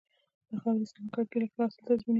د خاورې سمه کرکيله ښه حاصل تضمینوي.